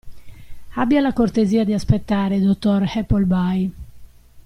Abbia la cortesia di aspettare, dottor Appleby!